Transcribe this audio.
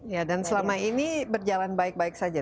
ya dan selama ini berjalan baik baik saja